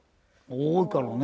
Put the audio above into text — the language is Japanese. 多いからね。